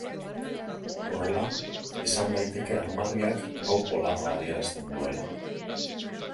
Horrela, esan daiteke armarriak gau polarra adierazten duela.